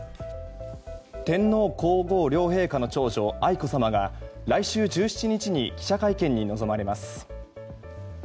天皇・皇后両陛下の長女愛子さまが来週１７日に記者会見に臨まれます。